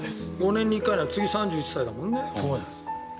５年に一回なら次、３１歳だもんね。